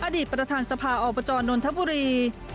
อดีตประธานสภาอบจนนทบุรี